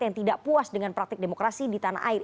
yang tidak puas dengan praktik demokrasi di tanah air